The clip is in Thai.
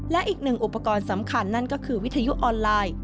และอีกหนึ่งอุปกรณ์สำคัญนั่นก็คือวิทยุออนไลน์